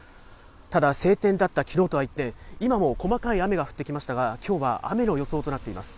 ただ、晴天だったきのうとは一転、今も細かい雨が降ってきましたが、きょうは雨の予想となっています。